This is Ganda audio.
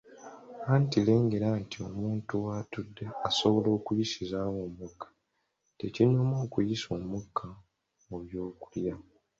"Anti lengera nti omuntu w’atudde asobola n’okuyisizaawo omukka, tekinyuma okuyisiza omukka mu byokulya."